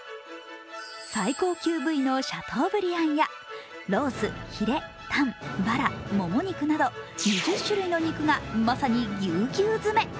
最高級部位のシャトーブリアンやロース、ヒレ、タン、バラ、もも肉など２０種類の肉がまさにぎゅうぎゅう詰め。